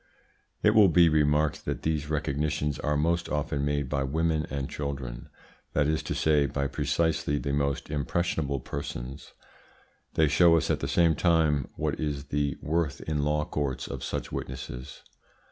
It will be remarked that these recognitions are most often made by women and children that is to say, by precisely the most impressionable persons. They show us at the same time what is the worth in law courts of such witnesses.